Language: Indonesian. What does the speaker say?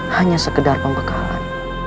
hanya sekedar pembekalan